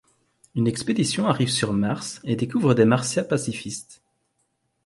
Une expédition arrive sur Mars et découvre des Martiens pacifistes.